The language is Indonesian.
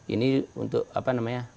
ini untuk apa namanya